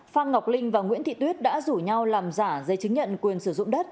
phan ngọc linh và nguyễn thị tuyết đã rủ nhau làm giả giấy chứng nhận quyền sử dụng đất